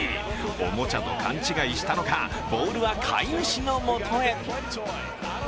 おもちゃと勘違いしたのかボールは飼い主の元へ。